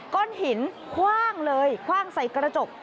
ก้อนหินคว่างเลยคว่างใส่กระจก